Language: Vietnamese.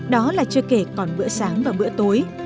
đó là chưa kể còn bữa sáng và bữa tối